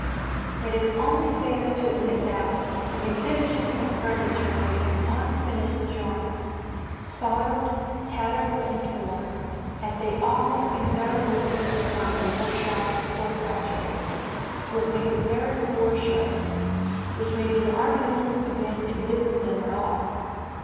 It is only fair to admit that an exhibition of fragmentary and unfinished drawings, soiled, tattered, and torn, as they almost invariably come from the workshop or factory, would make a very poor show which may be an argument against exhibiting them at all.